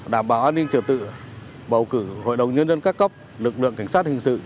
đảm bảo an ninh trở tự bầu cử hội đồng nhân dân các cấp lực lượng cảnh sát hình sự